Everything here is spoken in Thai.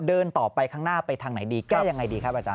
เดินต่อไปข้างหน้าไปทางไหนดีแก้ยังไงดีครับอาจาร